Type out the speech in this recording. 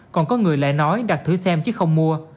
còn có người lại nói đặt thử xem chứ không mua